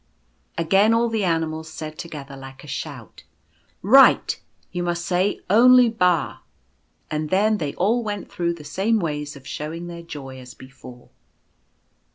Again all the animals said together like a shout :" Right, you must say only Ba," and then they all went through the same ways of showing their joy as be fore.